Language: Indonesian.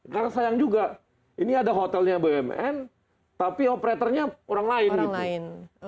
karena sayang juga ini ada hotelnya bmn tapi operatornya orang lain